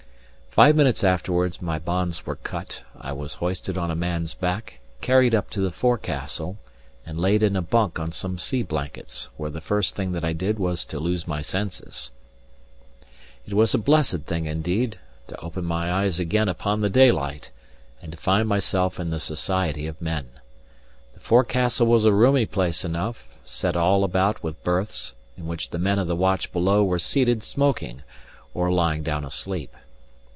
Five minutes afterwards my bonds were cut, I was hoisted on a man's back, carried up to the forecastle, and laid in a bunk on some sea blankets; where the first thing that I did was to lose my senses. It was a blessed thing indeed to open my eyes again upon the daylight, and to find myself in the society of men. The forecastle was a roomy place enough, set all about with berths, in which the men of the watch below were seated smoking, or lying down asleep.